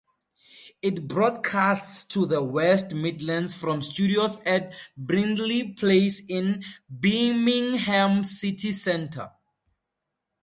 It broadcasts to the West Midlands from studios at Brindleyplace in Birmingham City Centre.